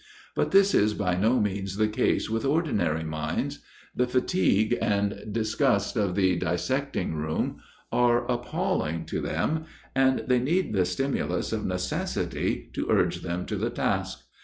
But this is by no means the case with ordinary minds. The fatigue and disgust of the dissecting room, are appalling to them, and they need the stimulus of necessity to urge them to the task.